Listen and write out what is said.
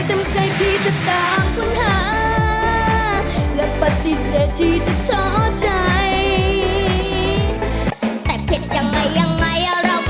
เราก็พอมีคนบ้า